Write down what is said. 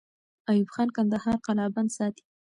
ایوب خان کندهار قلابند ساتي.